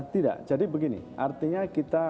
tidak jadi begini artinya kita